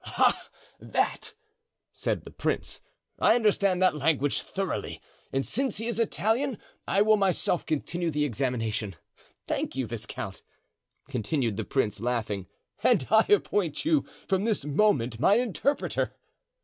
"Ah, that," said the prince, "I understand that language thoroughly; and since he is Italian I will myself continue the examination. Thank you, viscount," continued the prince, laughing, "and I appoint you from this moment my interpreter."